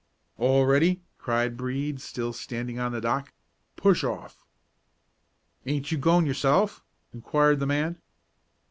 "All ready!" cried Brede, still standing on the dock; "push off!" "Aint you goin' yourself?" inquired the man.